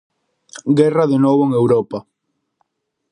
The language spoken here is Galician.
Guerra de novo en Europa.